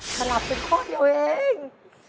ขนาดเป็นข้อเดียวเอง